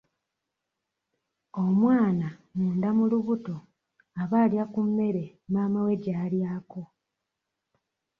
Omwana munda mu lubuto aba alya ku mmere maama we gy'alyako.